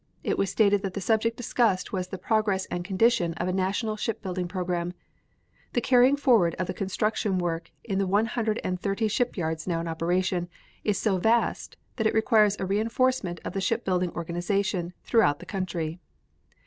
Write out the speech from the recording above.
It was stated that the subject discussed was the progress and condition of a national ship building program. The carrying forward of the construction work in the one hundred and thirty shipyards now in operation is so vast that it requires a reinforcement of the ship building organization throughout the country.